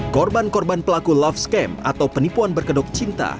korban korban pelaku love scam atau penipuan berkedok cinta